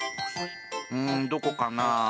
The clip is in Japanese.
うーん、どこかな？